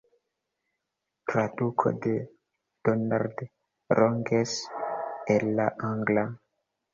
Traduko de Donald Rogers el la angla.